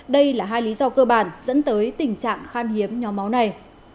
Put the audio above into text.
đây là hai lý do cơ bản dẫn tới tình trạng khan hiếm nhóm máu này